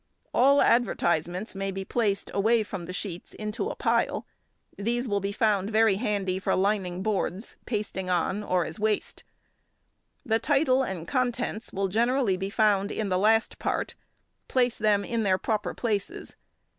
All advertisements may be placed away from the sheets into a pile; these will be found very handy for lining boards, pasting on, or as waste. The title and contents will generally be found in the last part; place them in their proper places.